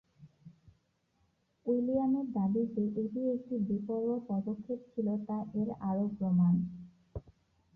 উইলিয়ামের দাবি যে এটি একটি বেপরোয়া পদক্ষেপ ছিল তা এর আরও প্রমাণ।